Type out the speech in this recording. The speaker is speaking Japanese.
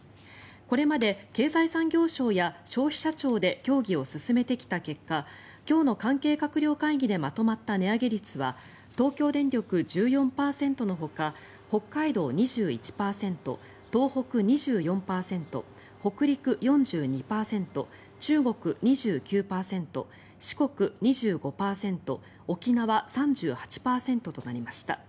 これまで経済産業省や消費者庁で協議を進めてきた結果今日の関係閣僚会議でまとまった値上げ率は東京電力、１４％のほか北海道、２１％東北、２４％北陸、４２％中国、２９％四国、２５％沖縄、３８％となりました。